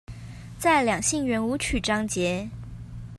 在兩性圓舞曲章節